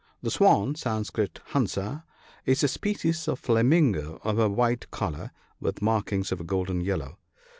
The swan (Sanscrit, hansa) is a species of flamingo of a white colour, with markings of a golden yellow.